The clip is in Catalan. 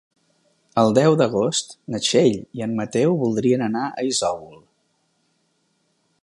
El deu d'agost na Txell i en Mateu voldrien anar a Isòvol.